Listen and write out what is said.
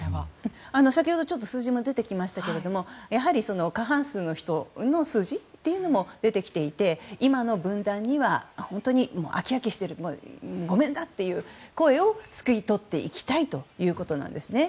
先ほど数字も出てきましたけど過半数の人の数字というのも出てきていて、今の分断には本当にもう飽き飽きしているごめんだという声をすくい取っていきたいということなんですね。